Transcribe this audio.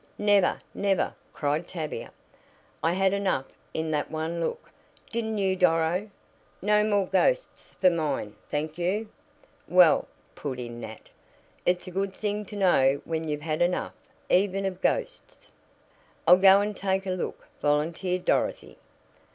"Never! never!" cried Tavia. "I had enough in that one look! Didn't you, Doro? No more ghosts for mine, thank you!" "Well," put in Nat, "it's a good thing to know when you've had enough even of ghosts." "I'll go and take a look," volunteered Dorothy.